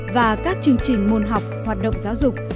và các chương trình môn học hoạt động giáo dục